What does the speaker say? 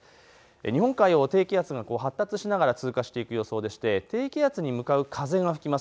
日本海を低気圧が発達しながら通過していく予想でして低気圧に向かう風が吹きます。